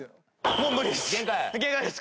もう無理っす。